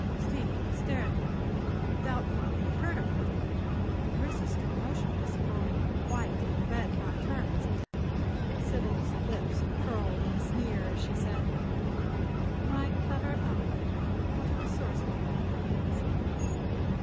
Steve stared at him, doubtful if he heard aright. Orissa stood motionless, growing white and red by turns. Sybil's lips curled in a sneer as she said: "My clever uncle! What a resourceful man he is."